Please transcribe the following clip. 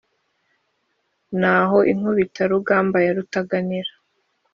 Naho inkubitarugamba ya Rutaganira